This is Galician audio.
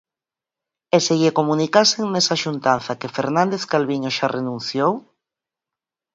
E se lle comunicasen nesa xuntanza que Fernández Calviño xa renunciou?